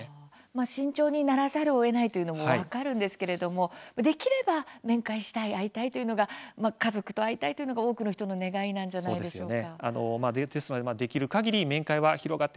慎重にならざるをえないというのも分かりますができれば面会したい、会いたいというのが多くの人の願いなんじゃないでしょうか。